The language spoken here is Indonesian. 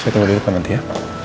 saya tunggu di depan nanti ya